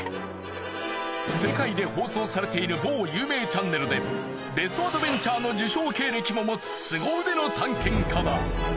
世界で放送されている某有名チャンネルでベストアドベンチャーの受賞経歴も持つ凄腕の探検家だ。